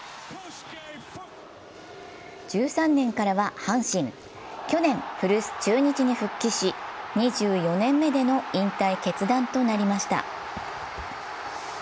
１３年からは阪神、去年、古巣・中日に復帰し２４年目での引退決断となりました。